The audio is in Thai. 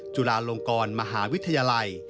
จุฬาลงกรมหาวิทยาลัย